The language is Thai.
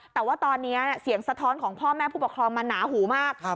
แต่ว่าตอนนี้เสียงสะท้อนของพ่อแม่ผู้ปกครองมันหนาหูมาก